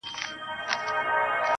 o ستا د يادونو فلسفې ليكلي.